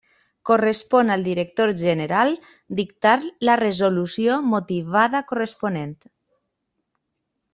Correspon al director general dictar la resolució motivada corresponent.